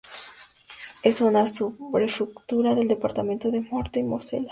Es una subprefectura del departamento de Meurthe y Mosela.